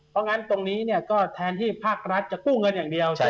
เพราะงั้นตรงนี้เนี่ยก็แทนที่ภาครัฐจะกู้เงินอย่างเดียว